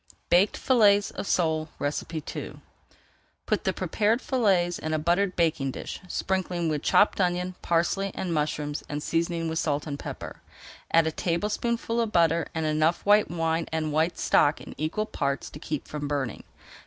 BAKED FILLETS OF SOLE II Put the prepared fillets in a buttered baking dish, sprinkling with chopped onion, parsley, and mushrooms, and seasoning with salt and pepper. Add a tablespoonful of butter and enough white wine and white stock in equal parts to keep from burning.